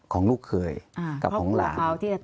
ของลูกเคยกับของหลาน